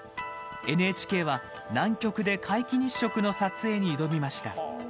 ＮＨＫは南極で皆既日食の撮影に挑みました。